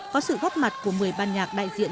có sự góp mặt của một mươi ban nhạc đại diện